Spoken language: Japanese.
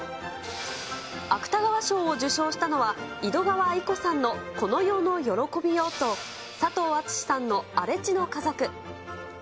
芥川賞を受賞したのは、井戸川射子さんのこの世の喜びよと、佐藤厚志さんの荒地の家族。